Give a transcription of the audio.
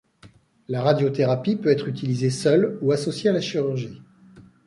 La radiothérapie peut être utilisée seule ou associée à la chirurgie.